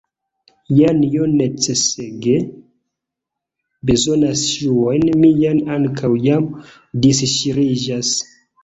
Janjo necesege bezonas ŝuojn, miaj ankaŭ jam disŝiriĝas.